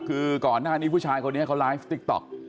คือก่อนหน้านี้ผู้ชายคนนี้เขาไลฟ์ติ๊กต๊อก